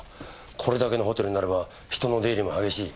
これだけのホテルになれば人の出入りも激しい。